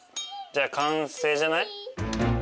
じゃあ完成じゃない？